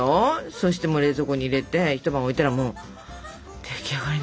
そして冷蔵庫に入れて一晩置いたらもう出来上がりなんだよ。